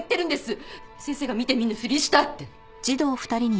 先生が見て見ぬふりしたって。